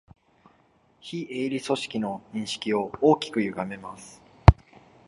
非営利組織の認識を大きくゆがめます